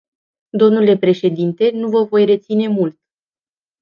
Domnule președinte, nu vă voi reține mult.